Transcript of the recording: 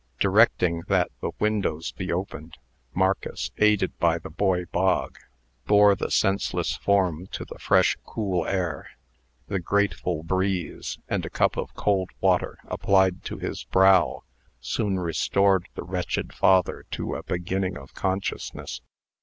Directing that the windows be opened, Marcus, aided by the boy Bog, bore the senseless form to the fresh, cool air. The grateful breeze, and a cup of cold water applied to his brow, soon restored the wretched father to a beginning of consciousness.